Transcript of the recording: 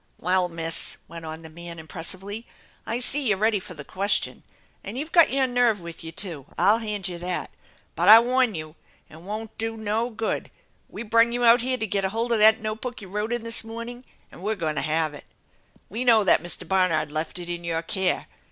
"Well, Miss/' went on the man impressively, "I sef you're ready for the question, and you've got your nerve with you, too, I'll hand you that ! But I warn you it won't do nc good ! We brung you out here to get a hold of that note book you wrote in this morning, and we're goin' to have it. We know that Mr. Barnard left it in your care.